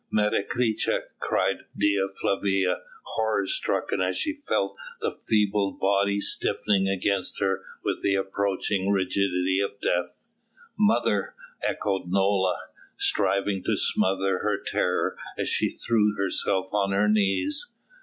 "Menecreta!" cried Dea Flavia, horror stricken as she felt the feeble body stiffening against her with the approaching rigidity of death. "Mother!" echoed Nola, striving to smother her terror as she threw herself on her knees.